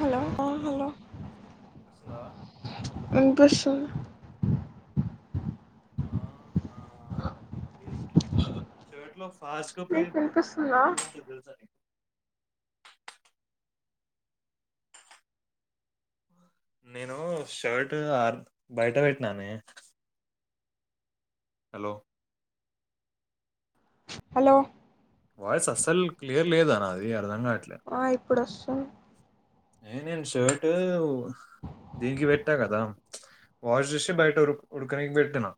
Hello hello వినిపిస్తుందా [unintelligible] ఆ నీకు వినిపిస్తుందా [unintelligible] నేను షర్ట్ ఆ బయట పెట్టినానే హలో హలో వాయిస్ అస్సలు క్లియర్ లేదా నాది అర్థం కావట్లే ఆ ఇప్పుడొస్ ఏ నేను షర్ట్ దీనికి పెట్టా కదా వాష్ చేసి బయట ఉడకనికి వెట్టినా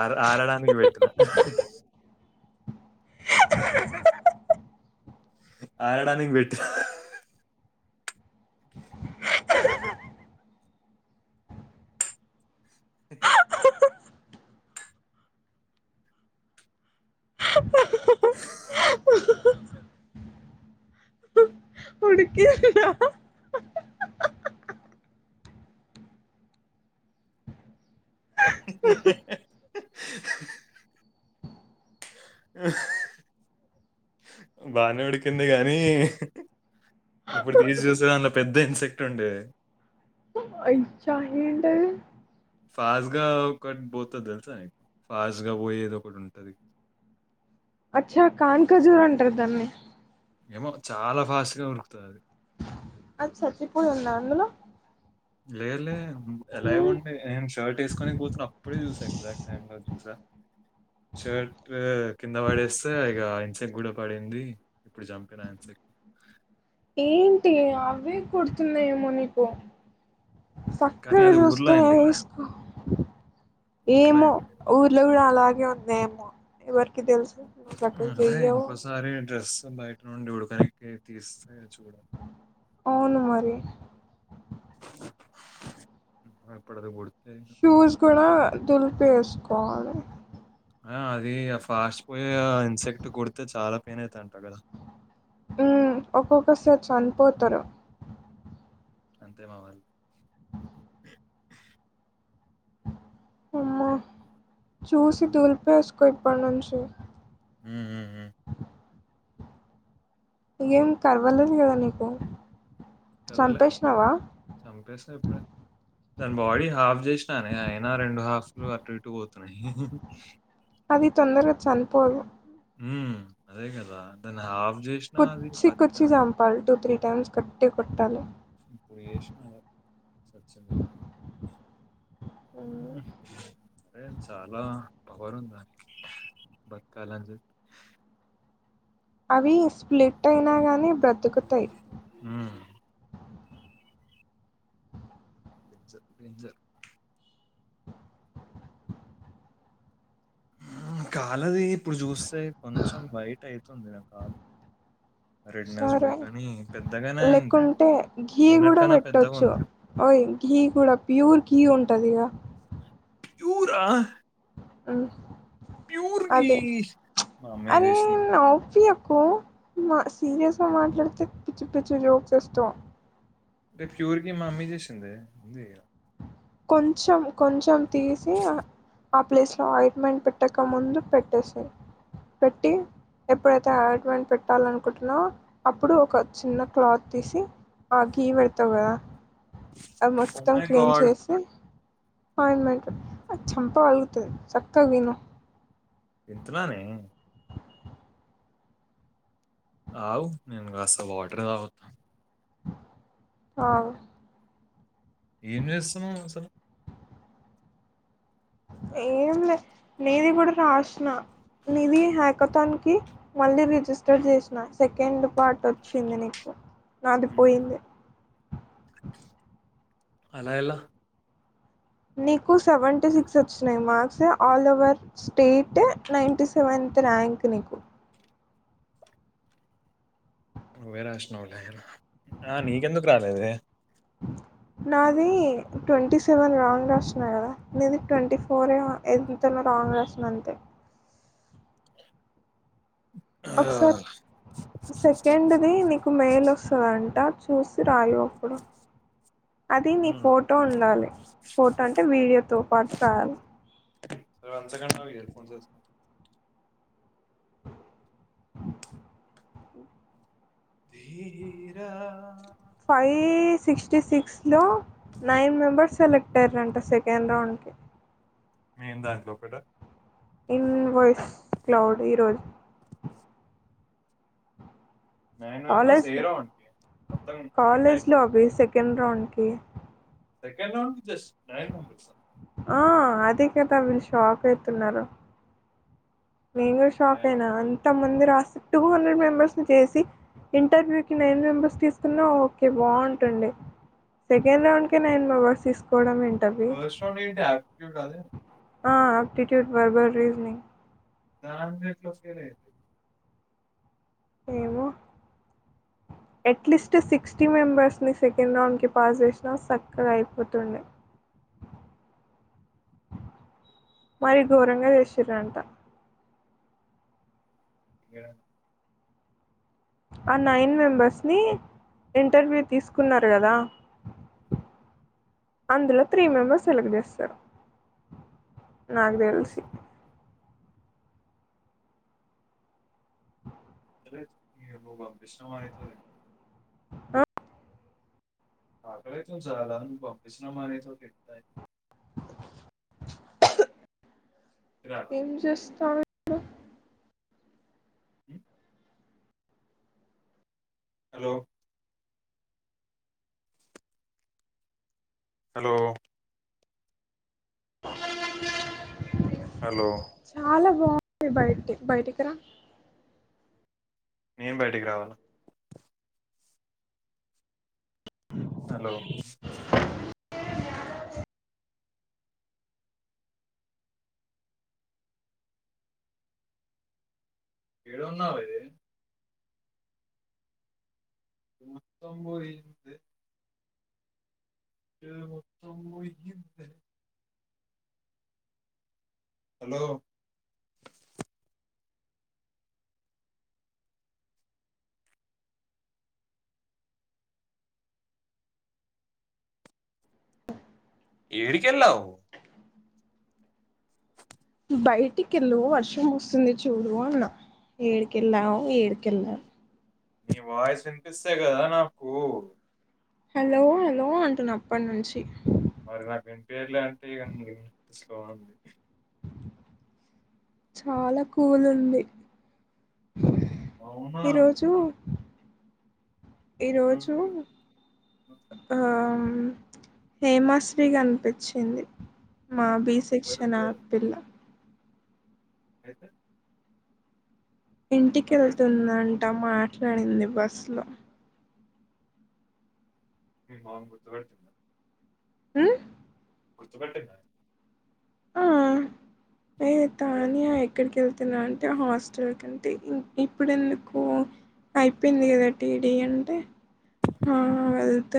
ఆ ఆరడానికి పెట్టినా ఆరడానికి బెట్ ఉడుకిందా ఆ బానే ఉడికింది గానీ ఇప్పుడు తీసి చూసే దాంలో పెద్ద ఇన్సెక్ట్ ఉండే ఇజ్జ ఏంటది ఫాస్ట్గా ఒకటి పోతుంది తెలుసా నీకు ఫాస్ట్ గా పోయేది ఒకటి ఉంటది అచ్చా కాన్ఖజూర్ అంటారు దాన్ని ఏమో చాలా ఫాస్ట్ గా ఉరుకుతది అది అచ్చచ్చి ఇప్పుడు ఉంద అందులో లే లే ఎలా ఏ ఉంటే షర్ట్ వేసుకోనినకి పోతున్నా అప్పుడే చూసా ఎగ్జాక్ట్ టైమ్ చూసా షర్ట్ కింద పడేస్తే ఇక ఇన్సెక్ట్ కూడ పడింది అప్పుడు చంపినా అంతే ఏంటి అవే కుడుతున్నాయేమో నీకు కానీ చక్కగా అది ఊర్లో చూసుకొని అయింది కదా! వేసుకో ఊర్లో ఏమో అయింది. ఊర్లో కూడా అలా వొత్తాయేమో ఎవరికి తెలుసు నువ్వు సక్కలు హ్మ్. అదే చెయ్యవు ఇంకోసారి డ్రెస్ బయట నుండి ఉడుకనికి తీస్ అవును మరి ఎప్పుడుది కొడు షూస్ కూడా దులిపేసుకోవాలి ఆ అది ఫాస్ట్ పోయ ఇన్సెక్ట్ కుడితే చాలా పెయిన్ అయితంటా కదా ఉ ఒక్కొక్కసారి చనిపోతారు అంతే మావాలి అమ్మా చూసి ఇప్పుడైతే మరి. దూలిపేసుకో ఇప్పటి నుంచి హ ఇకేం పరవాలేదు కదా నీకు సంపేష్ినవా చంపేస్తా ఇప్పుడే దాని బాడీ హాఫ్ చేసినానే అయినా రెండు హాఫ్ ఇ అట విటు పోతున్నాయి అది తొందరగా చనిపోదు ఉ అదే కదా దాన్ని హాఫ్ చేసినా అది కుచ్చి బతికే కుచ్చి ఉంది చంపాలి టూ త్రీ టైమ్స్ కట్టి కొట్టాలి ఇప్పుడు జేసినా అదే ఉమ్, అరే చాలా పవరుందా బక్ాలజ అవి స్ప్లిట్ అయినా గానీ బ్రతుకుతాయి హ్మ్. బంజ బింజర్ కాలది ఇప్పుడు చూస్తే కొంచెం బయట అయితు ంది కాాల రెడ్నస్ సరే పోయి కానీ పెద్దగానే అయింది లేకుంటే గే కూడా తిన్నట్కన్నా పెద్దగా పెట్టొచ్చు ఉంది య గీ కూడా ప్యూర్ ఘీ ఉ ఉంటుదిగా చూరా అదే మా అమ్మయ్య అరే చేసింది నపి కు మా సీరియస్గా మాట్లాడితే పిచ్చు పిచ్చు జోక్స్ వస్తాం అంటే ప్యూర్ గి మా మమ్మీ చేసిందే కొంచెం కొంచెం తీసి ఆ ప్లేస్లో అయిర్మెంట్ పెట్టకముందు పెట్టేస పెట్టి ఎప్పుడైతే అడ్మెంట్ పెట్టాలనుకుంటున్నాో అప్పుడు ఒక చిన్న క్లాత్ తీసి ఆ గీ పెడుతా కదా అది ఓ మొత్తం మై క్లీన్ గాడ్ చేసి అపాయింట్మెంట్ అది చంపగలుగుతుంది చక్కగా విను ఇంతలోనే అవు నేను అసలు ఆడర్ రాతాను ఆ ఏం చేస్తాను అసలు ఏం లే నేది కూడా రాసిన నిది హ్యాకథాన్కి మళ్ళీ రిజిస్టర్ చేసిన సెకండ్ పార్ట్ వచ్చింది నీకు నాది ఉమ్, పోయింది ఆలా ఎలా నీకు సెవెంటీ సిక్స్ వచ్చినాయి marks all over state నైన్ంట seventh rank నీకు నువ్వే రాసినావులే మరి నీకు ఎందుకు రాలేదు నాది ట్వంటీ సెవెన్ రాంగ్ రాస్తున్నా కదా నీది ట్వంటీ ఫోర్ ఎంత కాంగ్రెస్లో అంతే ఒకసారి సెకండ్ది నాకు మెయిల్ వస్తుందంట చూసి రాయు అప్పుడు అది నీ ఉమ్, ఫోటో ఉండాలి ఫోటో అంటే వీడియోతో పాటు రావాలి స అక్కడ నావ ఇయర్ఫోన్స్ ధీరా ఫైవ్ సిక్స్ ఫిఫ్టీ సిక్స్లో నైన్ మెంబర్స్ సెలెక్ట్ అయ్యారంట సెకండ్ రౌండ్కి నెన్ దాంట్లో ఒకట ఇన్వాయిస్ క్లౌడ్ ఈరోజు నైన్ మెంబర్స్ ఏ కాలేజ్లో రౌండ్కి మొత్తం సెలెక్ట్ అయిపోయింది కాలేజ్లో అవి సెకండ్ రౌండ్కి సెకండ్ రౌండ్కి జస్ట్ నైన్ మెంబర్స్ ఆ అదే కదా వీళ్ళు షాక్ అయితున్నారు నేను కూడా షాక్ అయినా అంత మందు రాసి టూ హండ్రెడ్ మెంబెర్స్ని చేసి ఇంటర్వ్యూ క నైన్ మెంబెర్స్ తీసుకున్నా ఓకే బాగుంటుండే సెకండ్ రౌండ్ కే నైన్ మెంబెర్స్ తీసుకోవడం ఏం ఫస్ట్ రౌండ్ ఏంటి ఆప్టిట్యూడ్ కాదే ఆ ఆప్టిట్యూడ్ వర్బల్ రీజనింగ్ దాంట్లో ఎట్ల వస్తాయ్ లే ఏమో అట్లీస్ట్ సిక్స్టీ మెంబెర్స్ని సెకండ్ రౌండ్కి పాస్ చేసినా సక్కగా అయిపోతుండే మరి ఘోరంగా చేసిరంట ఇడ ఆ నైన్ మెంబర్స్ని ఇంటర్వ్యూ తీసుకున్నారు కదా అందులో త్రీ మెంబర్స్ సెలెక్ట్ చేస్తారు నాకు దెల్సి తెలీదు [unintelligible] అయితది ఆకలైతుంది సరళ నువు పంపిస్రామానేతో కతా రాడా ఎం చెస్ రు ఉమ్ హలో హలో హలో బయటి బయటికిరా నెన్ బయటికి రావాల హలో ఏడున్నావే మొత్తం పోయింది ఇది మొత్తం పోయిందే హలో ఏడికెళ్ళావ్ బయటికెళ్ళు వర్షం వస్తుంది చూడు అన్న ఏడికెళ్లావ్ ఏడికెళ్లావ్ నీ వాయిస్ వినిపిస్తే గదా నాకు హలో హలో అంటున్నా అప్పటి నుంచి మరి నాకు వినిపియట్లే అంటే ఇగ నీ సౌండి చాలా కూలుంది అవునా ఈరోజు ఈరోజు నాకు ఆ మ్ హేమాశ్రీ గనిపించింది మా బి ఎవ్వరు సెక్షన్ ఆ కూడా పిల్ల అయితే మాట్లాడు ఇంటికెళ్తుందంట మాట్లాడింది బస్సు లో మాను గు తగతుంద హ కొర్చపెట్టంద ఆ అదే నని ఇక్కడకి వె ఇ అంటే హాస్టల్ కంటేం ఇప్పుడు ఎందుకు అయిపోయింది కదా టీడీ అంటే వెళ్తు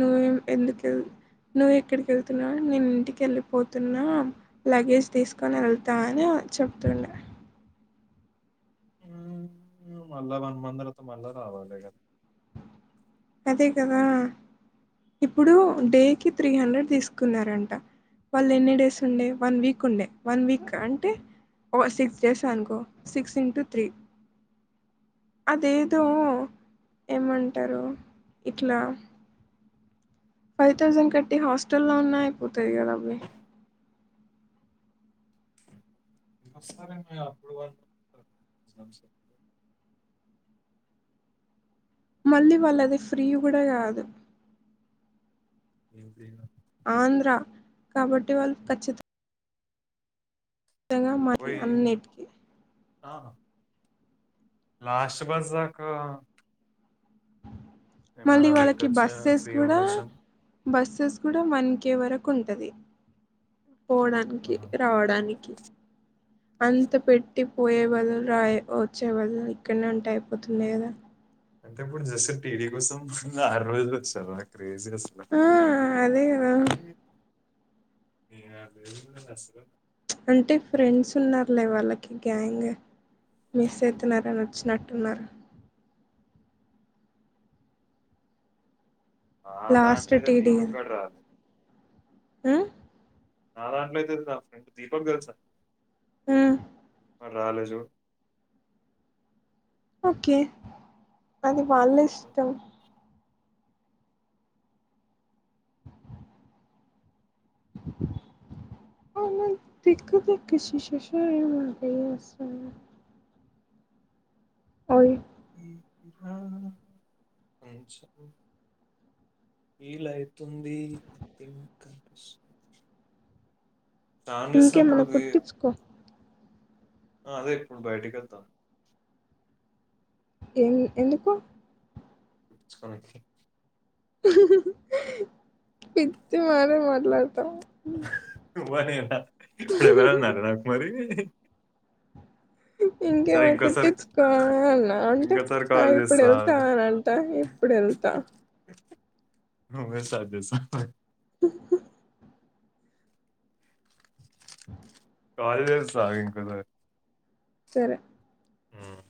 నువ్వం ఎందుకు వె నువ్వు ఎక్కడికి వెళ్తున్నావు నేను ఇంటికి వెళ్ళిపోతున్నా లగేజ్ తీసుకని వెళ్తా అని చెప్తుండ మళ్ళ వన్మందలతో మళ్ళ రావాల అదే కదా ఇప్పుడు డేకి త్రీ హండ్రెడ్ తీసుకున్నారంట వాళ్ళు ఎన్ని డేస్ ఉండే వన్ వీక్ ఉండే వన్ వీక్ అంటే ఓ సిక్స్ ేస్ సనుకు సిక్స్ ఇన్టుూ త్రీ అదేదో ఏమంటారు ఇట్లా ఫైవ్ థౌజండ్ కట్టి హాస్టల్ల్లో ఉన్నాయి పోతుంది కదా అవి నారం అప్పుడు మళ్ళీ వాళ్ళ అది ఫ్రీ కూడా కాదు ఏ ఆంధ్ర కాబట్టి వాళ్ళు ఖచ్చిత నిజంగా మకి అన్నిటికీ ఆా లాస్ట్ బస్సక ఏమనా మళ్ళీ వాళ్ళకి వెట్టొచ్చ బస్సెస్ ఫ్రీ కూడా ఉండొచ్చం బస్సెస్ కూడా వన్ కే వరకు ఉంటుంది పోవడానికి రావడానికి అంత పెట్టి పోయే బదులు రా వచ్చే బదులు ఇక్కడనే ఉంటే అయిపోతుంది కదా అంటే ఇప్పుడు జసే టీవీ కోసం ఆరు రోజులు వచ్చారు క్రేజీ అసలు ఆ అదే కదా ఏ అే అంటే ఫ్రెండ్స్ ఉన్నారులే వాళ్ళకి గ్యాంగ్ మిస్ అవుతున్నారని వచ్చినట్టున్నారు ఆ అ లాస్ట్ ఆమైతే దీపకగడ రాదు ఆ న రాాంట్లో అయితుంది నా ఫ్రెండ్ దీపక్ గలుసా ఆ ప రాాలజు ఓకే అది వాళ్ళ ఇష్టం అన్న దికుతకి శిశిషాని మనందిస ఓయి అ వీలయితుంది అథిం కనిపిస్తుంది ఇంకే మనం కుట్టించుకో అదే ఇప్పుడు బయటకి వెతాను ఎం ఎందుకు కు పిచ్చి మారే మాట్లాడతాము ఇప్పుడు ఎవర అారణకుమారి ఇంకేమ సరే ఇంకోసారి కుట్టించుకోవాలన్నా అంటే ఇంకోసారి ఆ కాల్ ఇప్పుడు చేస్తా ఆగు. వెళ్తానంట అప్పుడు ఎంత నువ్వే స్టార్ట్ చేసావా హాల్డేస్సా ఇంకోసారి సరే ఉమ్.